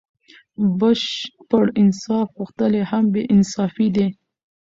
بشپړ انصاف غوښتل هم بې انصافي دئ.